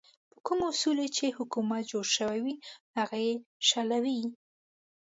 په کومو اصولو چې حکومت جوړ شوی وي هغه یې شلوي.